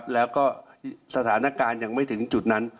แล้วก็สถานการณ์ยังไม่ถึงจุดนั้น